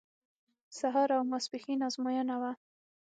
سهار او ماسپښین ازموینه وه.